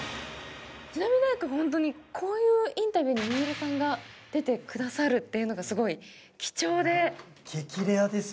ちなみにこういうインタビューに三浦さんが出てくださるというのがすごい貴重で。